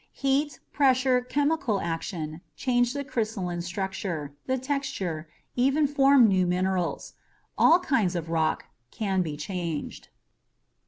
Heat, pressure, chemical action change the crystalline structure, the texture, even form new minerals. All kinds of rock can be changed.